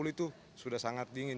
tiga puluh itu sudah sangat dingin